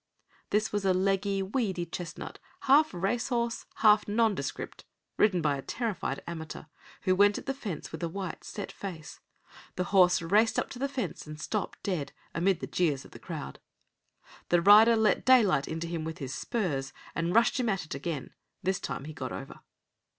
This was a leggy, weedy chestnut, half racehorse, half nondescript, ridden by a terrified amateur, who went at the fence with a white, set face. The horse raced up to the fence, and stopped dead, amid the jeers of the crowd. The rider let daylight into him with his spurs, and rushed him at it again. This time he got over.